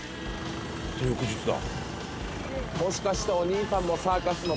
で翌日だ。